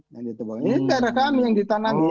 ini area kami yang ditanamin